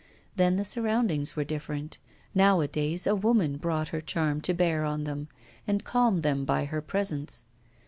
Then the surroundings were different; nowadays, a woman brought her charm to bear on them, and calmed them by her presence.